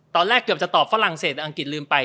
ตอนแรกเกือบจะตอบฝรั่งเศสอังกฤษลืมไป